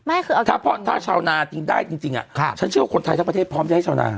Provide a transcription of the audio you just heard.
ไม่คือถ้าพ่อถ้าชาวนาจริงได้จริงจริงอ่ะครับฉันเชื่อว่าคนไทยทั้งประเทศพร้อมจะให้ชาวนา